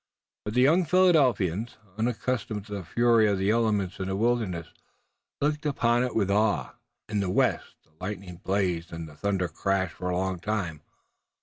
But the young Philadelphians, unaccustomed to the fury of the elements in the wilderness, looked upon it with awe. In the west the lightning blazed and the thunder crashed for a long time.